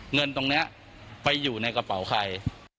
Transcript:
เงินตรงนี้ไปอยู่ในกระเป๋าใคร